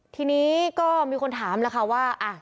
ทีนี้ก็มีคนถามแล้วค่ะว่า